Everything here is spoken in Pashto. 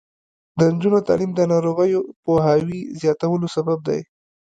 د نجونو تعلیم د ناروغیو پوهاوي زیاتولو سبب دی.